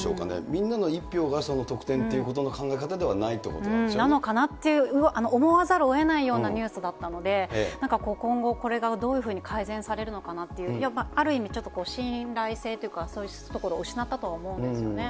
みんなの１票が得点ということの考え方ではないということなんでなのかなっていう、思わざるをえないようなニュースだったので、なんか今後、これがどういうふうに改善されるのかなって、やっぱりある意味ちょっと信頼性というか、そういうところを失ったとは思うんですよね。